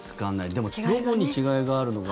でも、どこに違いがあるのか。